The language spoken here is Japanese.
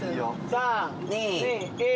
３２１。